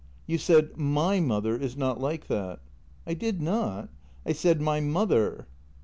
" You said, my mother is not like that." " I did not. I said my mother."